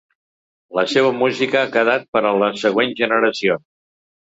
La seva música ha quedat per a les següents generacions.